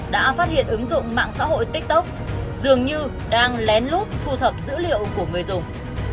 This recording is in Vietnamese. đã phát hiện ứng dụng mạng xã hội tiktok dường như đang lén lút thu thập dữ liệu của người dùng